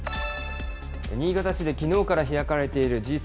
新潟市できのうから開かれているＧ７